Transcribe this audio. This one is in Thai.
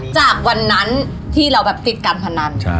จากวันนั้นที่เราแบบติดการพนัน